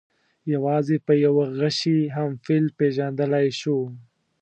یوازې په یوه غشي هم فیل پېژندلی شو.